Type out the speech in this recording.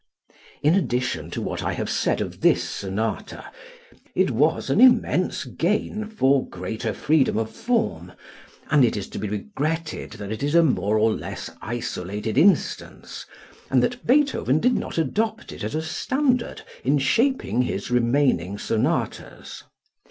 In addition to what I have said of this sonata, it was an immense gain for greater freedom of form, and it is to be regretted that it is a more or less isolated instance and that Beethoven did not adopt it as a standard in shaping his remaining sonatas.